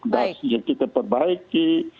banjir kita perbaiki